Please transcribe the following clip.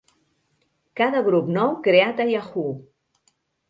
Cada grup nou creat a Yahoo!